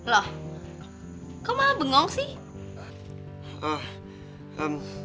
loh kok malah bengong sih